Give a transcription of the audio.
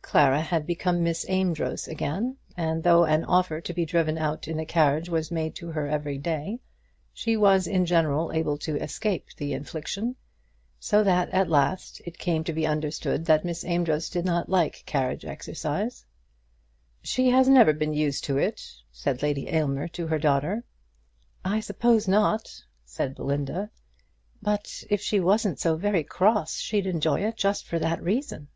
Clara had become Miss Amedroz again; and though an offer to be driven out in the carriage was made to her every day, she was in general able to escape the infliction; so that at last it came to be understood that Miss Amedroz did not like carriage exercise. "She has never been used to it," said Lady Aylmer to her daughter. "I suppose not," said Belinda; "but if she wasn't so very cross she'd enjoy it just for that reason."